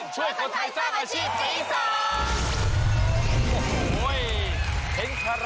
แจกบาวไซค์ตั้ง๑๐๐คัน